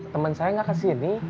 temen saya gak kesini